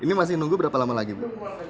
ini masih nunggu berapa lama lagi bu